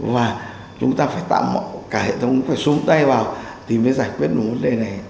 và chúng ta phải tạm cả hệ thống phải xuống tay vào thì mới giải quyết được vấn đề này